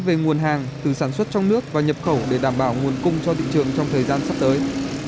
hẹn gặp lại các doanh nghiệp trong thời gian sắp tới